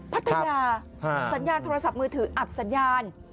พัทยาสัญญาณโทรศัพท์มือถืออับสัญญาณ